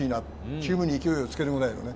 チームに勢いをつけるようなね。